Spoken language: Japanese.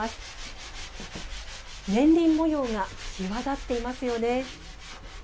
年輪模様が際立っていますよね。